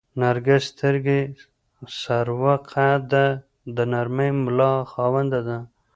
نرګس سترګې، سروه قده، د نرۍ ملا خاونده ده